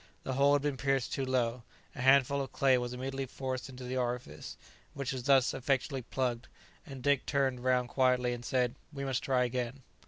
The hole had been pierced too low. A handful of clay was immediately forced into the orifice, which was thus effectually plugged; and Dick turned round quietly, and said, "We must try again."